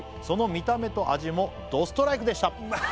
「その見た目と味もどストライクでした」